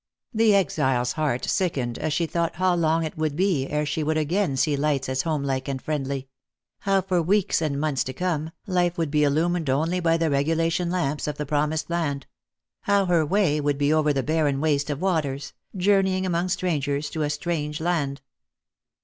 The exile's heart sickened as she thought how long it would be ere she would again see lights as homelike and friendly ; how, for weeks and months to come, life would be illumined only by the regulation lamps of the Promised Land ; how her way would be over the barren waste of waters, journeying among strangers to a strange land.